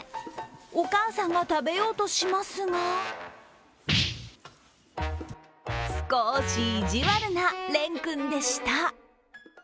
お母さんが食べようとしますが少し意地悪な、れんくんでした。